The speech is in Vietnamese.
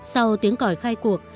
sau tiếng cõi khai cuộc